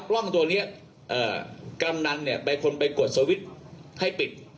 กล้องตัวเนี้ยเอ่อกรรมนั้นเนี่ยเป็นคนไปกดให้ปิด